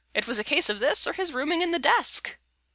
It was a case of this or his rooming in the desk.